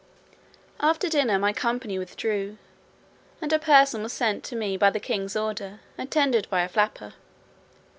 After dinner my company withdrew, and a person was sent to me by the king's order, attended by a flapper.